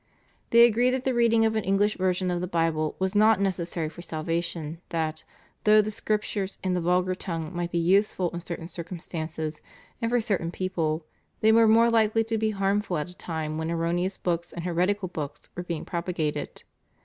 They agreed that the reading of an English version of the Bible was not necessary for salvation, that, though the Scriptures in the vulgar tongue might be useful in certain circumstances and for certain people, they were more likely to be harmful at a time when erroneous books and heretical books were being propagated.